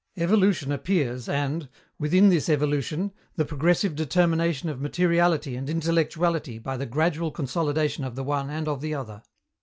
Evolution appears and, within this evolution, the progressive determination of materiality and intellectuality by the gradual consolidation of the one and of the other.